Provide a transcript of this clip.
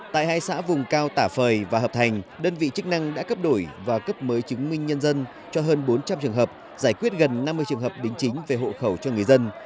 tại hai xã vùng cao tà phời và hợp thành đơn vị chức năng đã cấp đổi và cấp mới chứng minh nhân dân cho hơn bốn trăm linh trường hợp giải quyết gần năm mươi trường hợp đính chính về hộ khẩu cho người dân